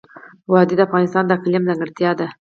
وادي د افغانستان د اقلیم ځانګړتیا ده.